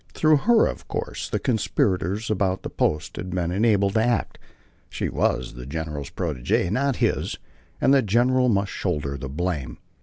Through her, of course, the conspirators about the post had been enabled to act. She was the general's protegée, not his, and the general must shoulder the blame.